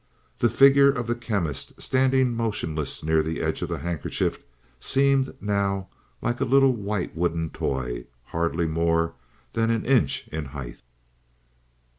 The figure of the Chemist, standing motionless near the edge of the handkerchief, seemed now like a little white wooden toy, hardly more than an inch in height.